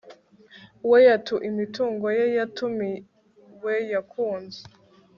Whereto imitungo ye yatumiwe yakunze